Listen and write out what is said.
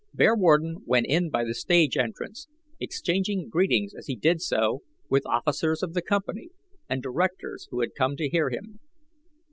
Bearwarden went in by the stage entrance, exchanging greetings as he did so with officers of the company and directors who had come to hear him.